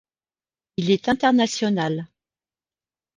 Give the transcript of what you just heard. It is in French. Il est international.